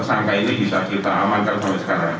tersangka ini bisa kita amankan sampai sekarang